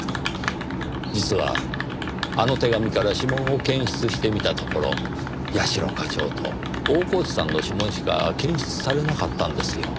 実はあの手紙から指紋を検出してみたところ社課長と大河内さんの指紋しか検出されなかったんですよ。